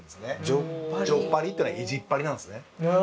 じょっぱりっていうのは意地っ張りなんですね。